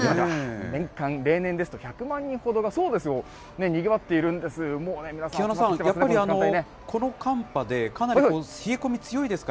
年間、例年ですと１００万人ほどが、そうですよ、にぎわって木花さん、やっぱりこの寒波で、かなり冷え込み強いですか？